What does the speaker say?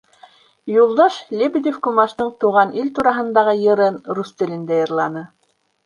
Юлдаш Лебедев-Кумачтың Тыуған ил тураһындағы йырын рус телендә йырланы.